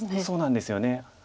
そうなんですよね。